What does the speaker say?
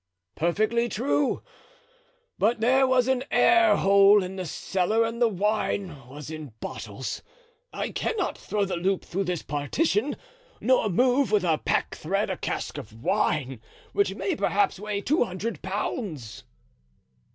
"Perfectly true; but there was an airhole in the cellar and the wine was in bottles. I cannot throw the loop through this partition nor move with a pack thread a cask of wine which may perhaps weigh two hundred pounds."